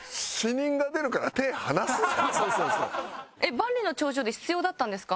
万里の長城で必要だったんですか？